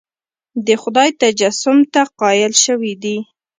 د خدای تجسیم ته قایل شوي دي.